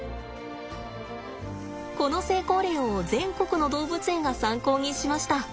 この成功例を全国の動物園が参考にしました。